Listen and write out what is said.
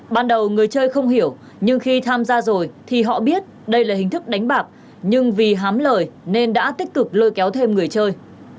ban đầu người chơi không hiểu nhưng khi tham gia rồi thì họ biết đây là hình thức đánh bạc nhưng vì hám lời nên đã tích cực lôi kéo thêm người chơi